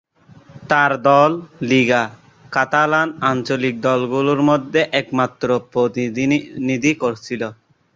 তার দল "Liga" Catalan আঞ্চলিক দলগুলোর মধ্যে একমাত্র প্রতিনিধি ছিল।